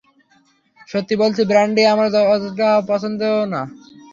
সত্যি বলতে ব্র্যান্ডি আমার অতটা পছন্দও না।